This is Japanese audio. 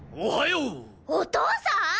お父さん！？